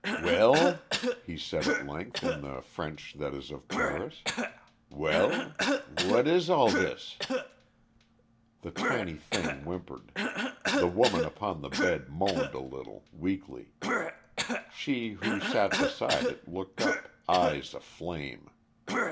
"Well?" he said, at length, in the French that is of Paris. "Well? ... What is all this?" The tiny thing whimpered. The woman upon the bed moaned a little, weakly. She, who sat beside it, looked up, eyes aflame.